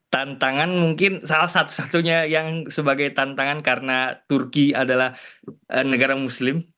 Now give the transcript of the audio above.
tantangan mungkin salah satu satunya yang sebagai tantangan karena turki adalah negara muslim